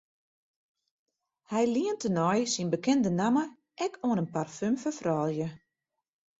Hy lient tenei syn bekende namme ek oan in parfum foar froulju.